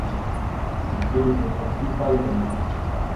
Il peut devenir plus pâle la nuit.